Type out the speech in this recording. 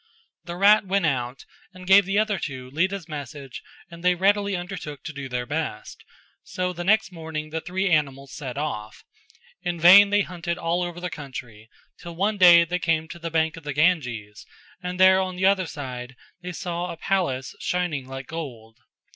The rat went out and gave the other two Lita's message and they readily undertook to do their best; so the next morning the three animals set off. In vain they hunted all over the country, till one day they came to the bank of the Ganges and there on the other side they saw a palace shining like gold.